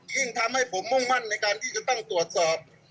ยิ่งทำให้ผมมุ่งมั่นในการที่จะต้องตรวจสอบ